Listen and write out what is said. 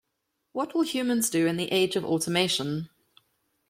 What will humans do in the age of automation?